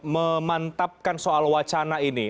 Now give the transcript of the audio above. memantapkan soal wacana ini